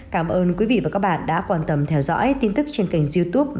cảm ơn quý vị và các bạn đã quan tâm theo dõi tin tức trên kênh youtube